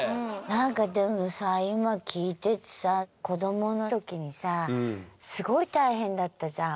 何かでもさ今聞いててさ子どもの時にさすごい大変だったじゃん。